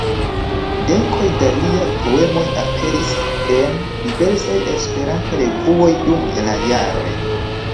Dekoj da liaj poemoj aperis en diversaj Esperanto-revuoj dum la jaroj.